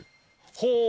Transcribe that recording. ほう。